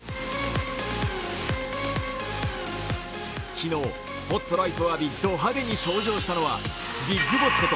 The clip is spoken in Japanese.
昨日、スポットライトを浴びド派手に登場したのはビッグボスこと